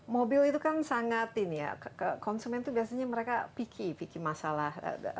mobil itu kan sangat ini ya konsumen itu biasanya mereka pikir pikir masalah